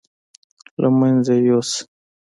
له منځه یې یوسه.